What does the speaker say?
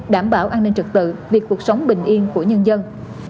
đảm bảo an ninh trực tự việc cuộc sống bình yên của nhân dân